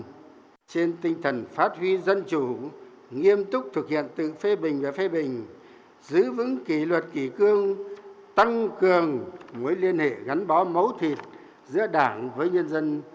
đảng trên tinh thần phát huy dân chủ nghiêm túc thực hiện tự phê bình và phê bình giữ vững kỷ luật kỷ cương tăng cường mối liên hệ gắn bó mấu thịt giữa đảng với nhân dân